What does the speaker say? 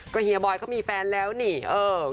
ก็เฮียบอยมีแฟนแล้วนี่แหละ